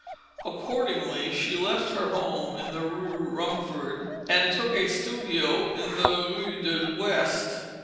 Accordingly she left her home in the Rue Rumford and took a studio in the Rue de l'Ouest.